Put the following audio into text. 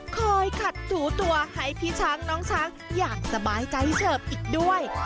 คอยขัดถูตัวให้พี่ช้างน้องช้างอย่างสบายใจเฉิบอีกด้วย